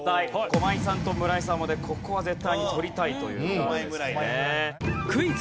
駒井さんと村井さんはここは絶対に取りたいという。